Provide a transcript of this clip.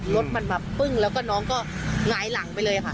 รถมันแบบปึ้งแล้วก็น้องก็หงายหลังไปเลยค่ะ